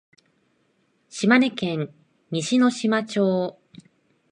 島根県西ノ島町